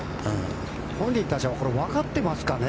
本人たちはわかっていますかね